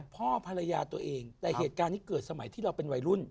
พ่อภรรยาตัวเองแต่เหตุการณ์นี้เกิดสมัยที่เราเป็นวัยรุ่น